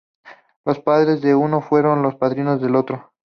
Los padres de uno fueron los padrinos de la otra.